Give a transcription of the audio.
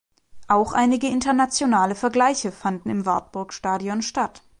Auch einige internationale Vergleiche fanden im Wartburg-Stadion statt.